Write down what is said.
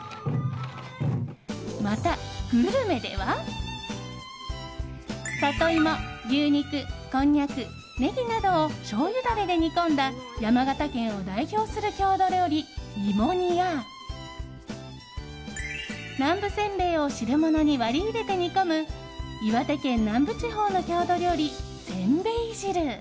また、グルメではサトイモ、牛肉、こんにゃくネギなどをしょうゆダレで煮込んだ山形県を代表する郷土料理芋煮や南部せんべいを汁物に割り入れて煮込む岩手県南部地方の郷土料理せんべい汁。